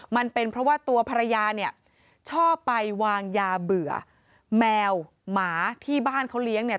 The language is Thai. มันเป็นเพราะว่าตัวภรรยาเนี่ยชอบไปวางยาเบื่อแมวหมาที่บ้านเขาเลี้ยงเนี่ย